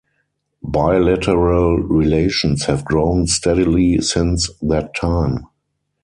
Bilateral relations have grown steadily since that time.